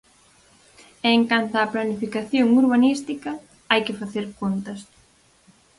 E en canto á planificación urbanística, "hai que facer contas".